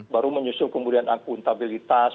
baru menyusul kemudian akuntabilitas